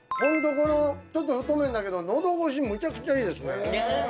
ちょっと太麺だけど喉越しむちゃくちゃいいですね。